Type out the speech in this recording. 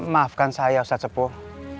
maafkan saya ustaz sepuh